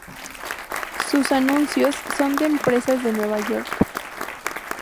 Sus anuncios son de empresas de Nueva York.